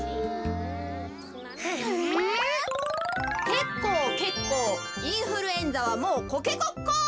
「けっこうけっこうインフルエンザはもうコケコッコー」。